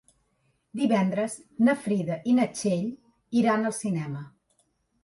Divendres na Frida i na Txell iran al cinema.